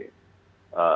bukan dalam upaya